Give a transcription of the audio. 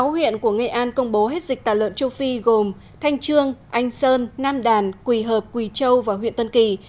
sáu huyện của nghệ an công bố hết dịch tả lợn châu phi gồm thanh trương anh sơn nam đàn quỳ hợp quỳ châu và huyện tân kỳ